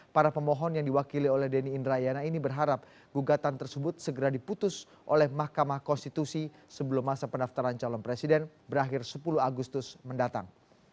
para pemohon yang diwakili oleh denny indrayana ini berharap gugatan tersebut segera diputus oleh mahkamah konstitusi sebelum masa pendaftaran calon presiden berakhir sepuluh agustus mendatang